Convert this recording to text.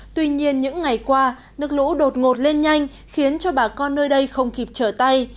tuy nhiên những ngày qua nước lũ đột ngột lên nhanh khiến cho bà con nơi đây không kịp trở tay